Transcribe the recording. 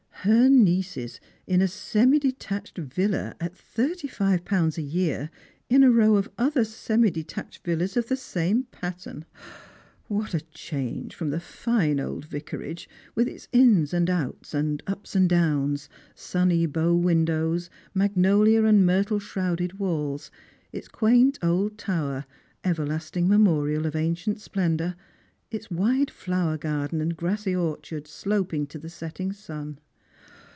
Her nieces in a semi detached villa, at thirty tive pounds a year, in a row of other semi detached villas of the same pattern ! What a change from the fine old Vicarage, with its ins and outs and ups and downs, sunny bow windows, magnolia and myrtle shrouded walls, its quaint old tower, everlasting memorial of ancient splendour, its wide flower garden and grassy orchard, sloping to the setting sun.